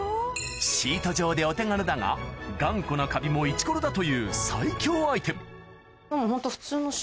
シート状でお手軽だが頑固なカビもイチコロだという最強アイテム